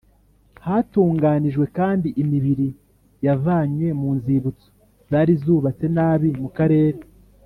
Hatunganijwe kandi imibiri yavanywe mu nzibutso zari zubatse nabi mu karere